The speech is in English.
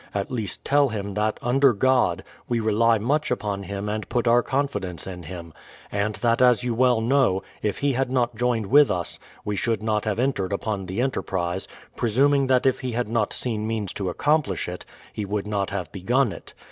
At least tell him that, under 42 BRADFORD'S HISTORY OF God, we rely much upon him and put our confidence in him ; and that as you well know, if he had not joined with us, we should not have entered upon the enterprise, presuming that if he had not seen means to accomplish it, he would not have begun it.